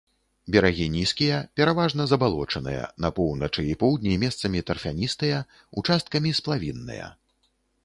Берагі нізкія, пераважна забалочаныя, на поўначы і поўдні месцамі тарфяністыя, участкамі сплавінныя.